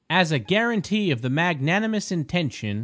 as a guarantee of the magnanimous intention.